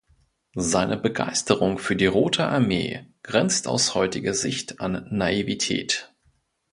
Seine Begeisterung für die Rote Armee grenzt aus heutiger Sicht an Naivität.